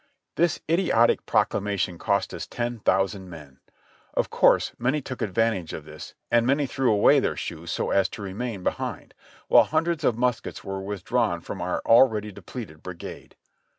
This idiotic proclamation cost us ten thousand men. Of course many took advantage of this, and many threw away their shoes so as to re main behind, while hundreds of muskets were withdrawn from our already depleted brigade.